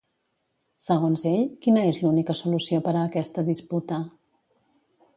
Segons ell, quina és l'única solució per a aquesta disputa?